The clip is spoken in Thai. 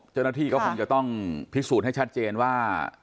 เจ้าหน้าที่ก็คงจะต้องพิสูจน์ให้ชัดเจนว่า